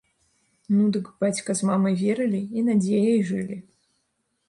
Ну, дык бацька з мамай верылі і надзеяй жылі.